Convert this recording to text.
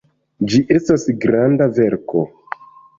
Ĝi estas granda verko.